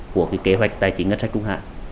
của cái kế hoạch tài chính ngân sách trung hạn